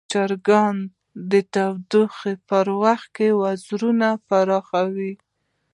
چرګان د تودوخې پر وخت وزرونه پراخوي.